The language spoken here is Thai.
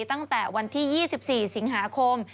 ตั้งแต่วันที่๒๔สิงหาคม